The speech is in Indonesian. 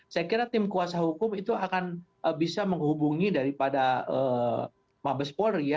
saya kira tim kuasa hukum itu akan bisa menghubungi daripada mabes polri ya